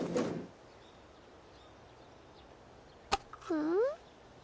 うん？